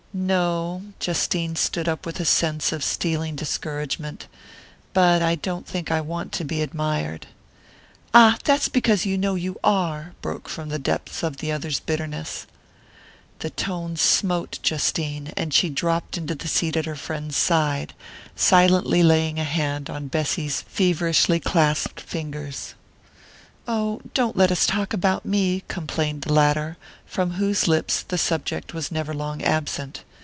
"No." Justine stood up with a sense of stealing discouragement. "But I don't think I want to be admired " "Ah, that's because you know you are!" broke from the depths of the other's bitterness. The tone smote Justine, and she dropped into the seat at her friend's side, silently laying a hand on Bessy's feverishly clasped fingers. "Oh, don't let us talk about me," complained the latter, from whose lips the subject was never long absent.